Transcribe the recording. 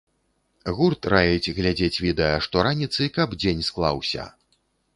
Гурт раіць глядзець відэа штораніцы, каб дзень склаўся!